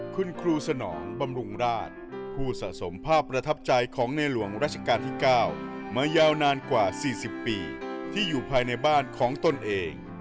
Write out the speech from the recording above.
คุณครูสนองบำรุงราชผู้สะสมภาพประทับใจของในหลวงราชการที่๙มายาวนานกว่า๔๐ปีที่อยู่ภายในบ้านของตนเอง